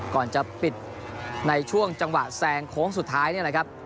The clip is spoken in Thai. ก่อนจะปิดในช่วงจังหวะแซงโค้งสุดท้ายนี่แหละครับ